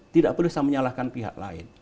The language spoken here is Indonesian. tidak perlu saya menyalahkan pihak lain